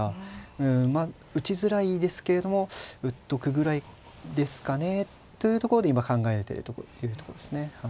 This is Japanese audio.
うんまあ打ちづらいですけれども打っとくぐらいですかねというところで今考えてるというとこですね。